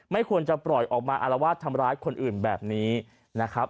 ไม่ควรจะปล่อยออกมาอารวาสทำร้ายคนอื่นแบบนี้นะครับ